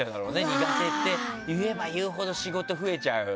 苦手って言えば言うほど仕事増えちゃう。